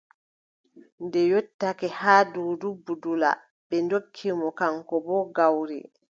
Nde yottake haa Duudu Budula, ɓe ndokki mo kaŋko boo gawri.